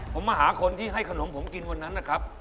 ผมมาหาคนที่ให้ขนมผมกินวันนั้นนะครับ